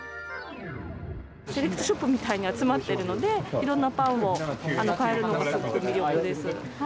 セレクトショップみたいに集まってるので、いろんなパンを買えるのが、すごく魅力です。